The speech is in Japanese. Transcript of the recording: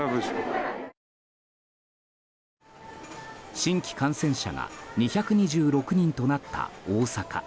新規感染者が２２６人となった大阪。